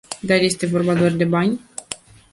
Dar este vorba doar de bani?